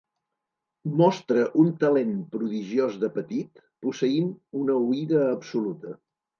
Mostra un talent prodigiós de petit posseint una oïda absoluta.